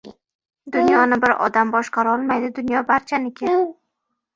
• Dunyoni bir odam boshqarolmaydi, dunyo — barchaniki.